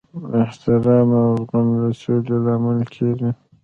احترام او زغم د سولې لامل کیږي.